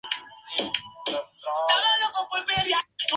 Quienquiera que haya hecho eso no era un buen amigo".